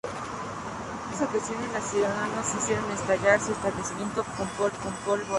En ambos ocasiones, los ciudadanos hicieron estallar su establecimiento con pólvora.